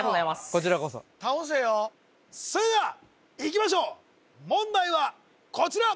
こちらこそ倒せよそれではいきましょう問題はこちら！